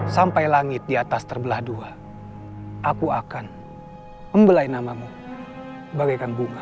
sampai langit di atas terbelah dua aku akan membelai namamu bagaikan bunga